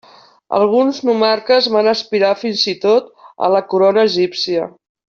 Alguns nomarques van aspirar fins i tot a la corona egípcia.